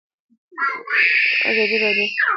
ازادي راډیو د اداري فساد د منفي اړخونو یادونه کړې.